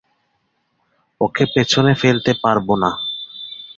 ওকে পেছনে ফেলতে পারবো না।